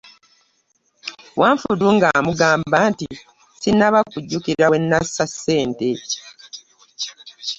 Wanfudu ng’amugamba nti sinnaba kujjukira we nnassa ssente.